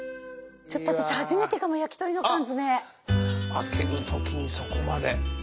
開ける時にそこまで。